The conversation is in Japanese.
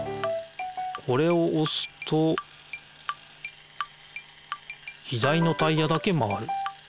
これをおすと左のタイヤだけ回る。